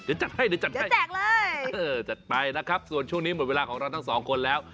เดี๋ยวจัดให้เดี๋ยวจัดให้แจกเลยเออจัดไปนะครับส่วนช่วงนี้หมดเวลาของเราทั้งสองคนแล้ว